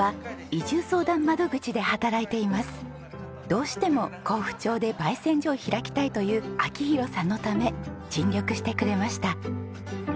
どうしても江府町で焙煎所を開きたいという明宏さんのため尽力してくれました。